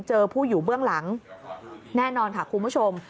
เจอผู้อยู่เบื้องหลังแน่นอนค่ะคุณผู้ชม